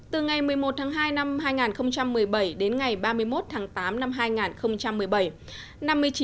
từ ngày một mươi một tháng hai năm hai nghìn một mươi bảy đến ngày ba mươi một tháng tám năm hai nghìn một mươi bảy